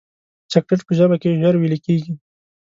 چاکلېټ په ژبه کې ژر ویلې کېږي.